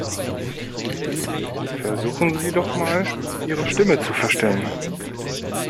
Versuchen Sie doch mal, Ihre Stimme zu verstellen.